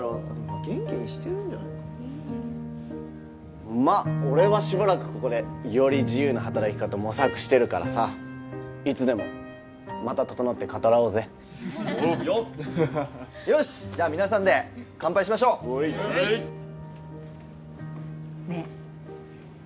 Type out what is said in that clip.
元気にしてるんじゃないかなまっ俺はしばらくここでより自由な働き方模索してるからさいつでもまた整って語らおうぜおうよしっじゃあ皆さんで乾杯しましょうねえ